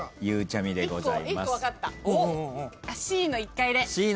ゆうちゃみでございます。